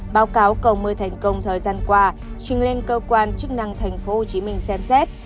báo cáo cầu mưa thành công thời gian qua trình lên cơ quan chức năng tp hcm xem xét